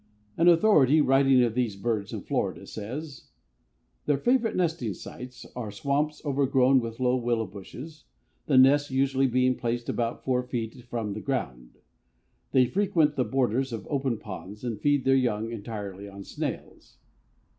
An authority, writing of these birds in Florida, says, "Their favorite nesting sites are swamps overgrown with low willow bushes, the nests usually being placed about four feet from the ground. They frequent the borders of open ponds and feed their young entirely on snails.